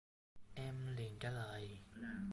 Em liền trả lời